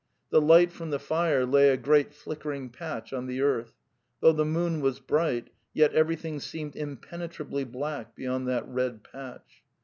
'The light from the fire lay a great flickering patch on the earth; though the moon was bright, yet everything seemed impen etrably black beyond that red patch.